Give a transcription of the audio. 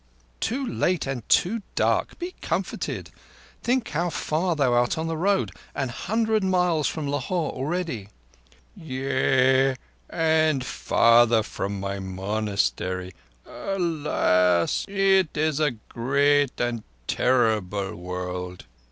"Too late and too dark. Be comforted. Think how far thou art on the road—an hundred kos from Lahore already." "Yea—and farther from my monastery. Alas! It is a great and terrible world."